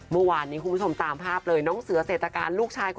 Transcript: เมื่อวานนี้คุณผู้ชมตามภาพเลย